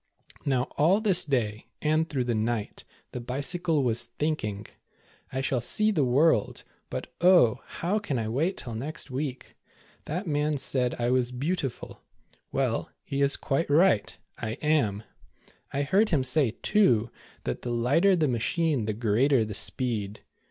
Now all this day, and through the night, the The Bold Bad Bicycle. 225 Bicycle was thinking, '' I shall see the world ; but. oh, how can I wait till next week ? That man said I was beautiful, — well, he is quite right, I am. I heard him say, too, that the lighter the machine, the greater the speed.